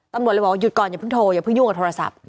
ตำรวจเลยบอกว่าหยุดก่อนอย่าเพิ่งโทรอย่าเพิยุ่งกับโทรศัพท์